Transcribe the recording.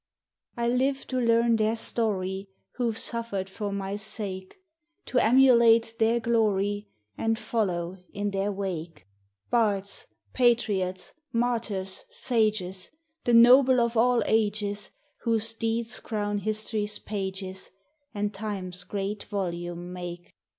I live to learn their story Who've suffered for mv sake, To emulate their glory, And follow in their wake; Bards, patriots, martyrs, sages, The noble of all ages, Whose deeds crown history's pages, And Time's great volume make.